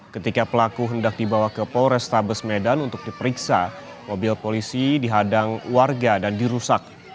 ketika pelaku hendak dibawa ke polrestabes medan untuk diperiksa mobil polisi dihadang warga dan dirusak